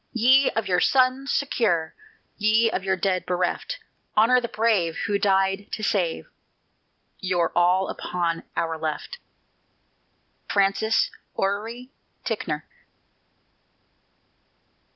Ye of your sons secure, Ye of your dead bereft Honor the brave Who died to save Your all upon "Our Left." FRANCIS ORRERY TICKNOR.